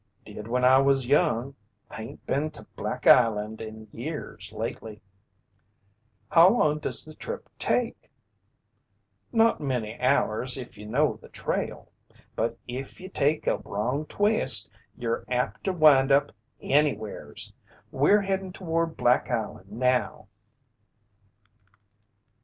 "Did when I was young. Hain't been to Black Island in years lately." "How long does the trip take?" "Not many hours if ye know the trail. But if ye take a wrong twist, y'er apt to wind up anywheres. We're headin' toward Black Island now."